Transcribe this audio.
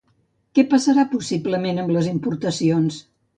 Què passarà, possiblement, amb les importacions?